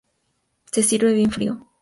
Se sirve bien frío.